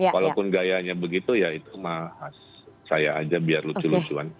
walaupun gayanya begitu ya itu mah saya aja biar lucu lucuan